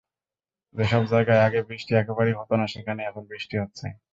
যেসব জায়গায় আগে বৃষ্টি একেবারেই হতো না, সেখানে এখন বৃষ্টি হচ্ছে।